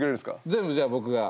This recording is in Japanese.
全部じゃあ僕が。